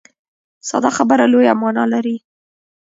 ساده خبره لویه معنا لري.